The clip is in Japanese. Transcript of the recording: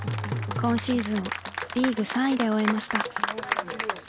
今シーズンをリーグ３位で終えました。